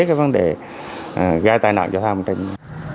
các vấn đề gây tai nạn giao thông trên địa bàn